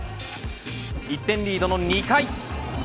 １点リードの２回。